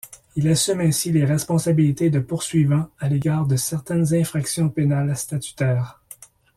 Il assume ainsi les responsabilités de poursuivant à l’égard de certaines infractions pénales statutaires.